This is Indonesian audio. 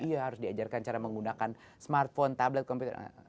iya harus diajarkan cara menggunakan smartphone tablet kompetitor